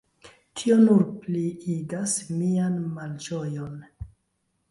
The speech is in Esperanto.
Tio nur pliigas mian malĝojon.